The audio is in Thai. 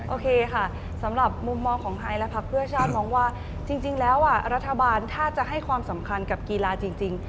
โอเคค่ะสำหรับมุมมองของไทยและพักเพื่อชาติมองว่าจริงแล้วรัฐบาลถ้าจะให้ความสำคัญกับกีฬาจริง